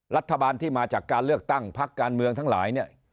รัฐบาลที่มาจากการเลือกตั้งพักการเมืองทั้งหลายเนี่ย